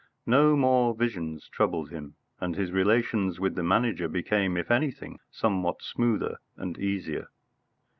No more visions troubled him, and his relations with the Manager became, if anything, somewhat smoother and easier.